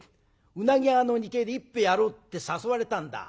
うなぎ屋の２階で一杯やろうって誘われたんだ。